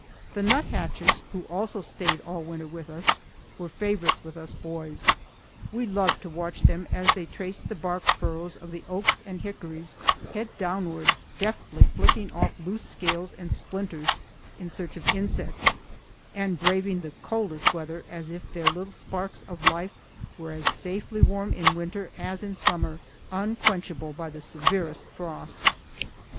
The nuthatches, who also stayed all winter with us, were favorites with us boys. We loved to watch them as they traced the bark furrows of the oaks and hickories head downward, deftly flicking off loose scales and splinters in search of insects, and braving the coldest weather as if their little sparks of life were as safely warm in winter as in summer, unquenchable by the severest frost.